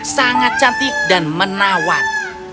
sangat cantik dan menawar